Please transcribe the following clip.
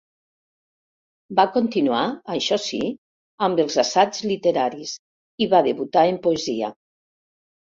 Va continuar, això sí, amb els assaigs literaris i va debutar en poesia.